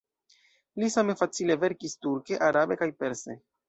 Li same facile verkis turke, arabe kaj perse.